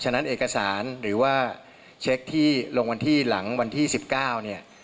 ฉะนั้นเอกสารหรือว่าเช็คที่ลงบัญชีหลังวันที่